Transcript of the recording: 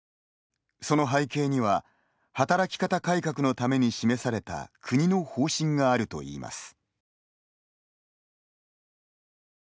その背景には働き方改革のために示された国の方針があるといいます。